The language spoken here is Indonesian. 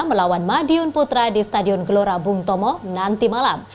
melawan madiun putra di stadion gelora bung tomo nanti malam